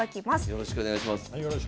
よろしくお願いします。